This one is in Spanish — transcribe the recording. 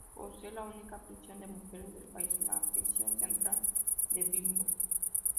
Posee la única prisión de mujeres del país, la Prisión Central de Bimbo.